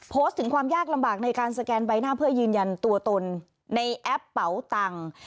โพสต์ถึงความยากลำบากในการสแกนใบหน้าเพื่อยืนยันตัวตนในแอปเป๋าตังค์